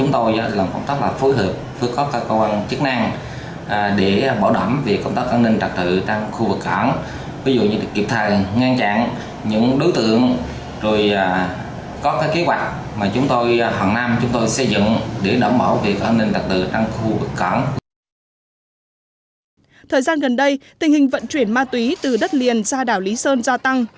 thời gian gần đây tình hình vận chuyển ma túy từ đất liền ra đảo lý sơn gia tăng